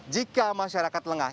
jika masyarakat lengah